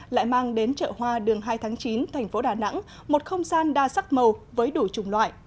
lại mang đến chợ hoa đường hai tháng chín thành phố đà nẵng một không gian đa sắc màu với đủ chủng loại